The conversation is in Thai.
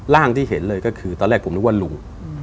ที่เห็นเลยก็คือตอนแรกผมนึกว่าลุง